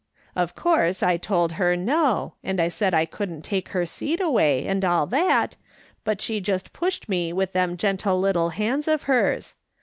Of course I told her no, and I said I couldn't take her seat away, and all that, but she just pushed me with them gentle little hands of hers.